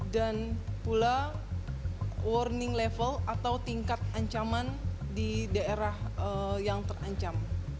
dan pula warning level atau tingkat ancaman di daerah yang terancam